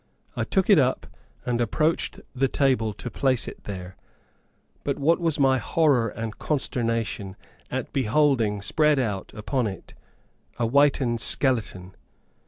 I took it up and approached the table to place it there, but what was my horror and consternation at beholding spread out upon it, a whitened skeleton!